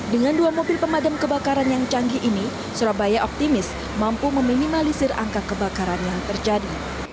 dengan dua mobil pemadam kebakaran yang canggih ini surabaya optimis mampu meminimalisir angka kebakaran yang terjadi